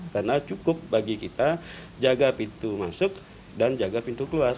karena cukup bagi kita jaga pintu masuk dan jaga pintu keluar